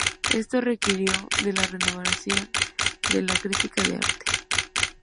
Esto requirió de la renovación de la crítica de arte.